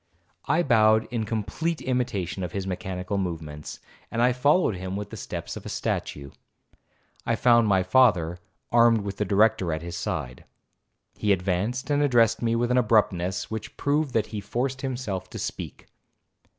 I bowed in complete imitation of his mechanical movements, and followed him with the steps of a statue. I found my father, armed with the Director at his side. He advanced, and addressed me with an abruptness which proved that he forced himself to speak.